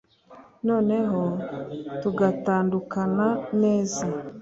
noneho tugatandukana neza